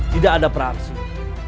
tidak ada perharsin